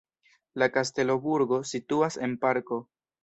La kastelo-burgo situas en parko.